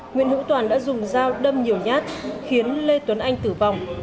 nguyễn hữu toàn đã dùng dao đâm nhiều nhát khiến lê tuấn anh tử vong